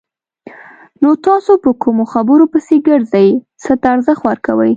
نو تاسو په کومو خبرو پسې ګرځئ! څه ته ارزښت ورکوئ؟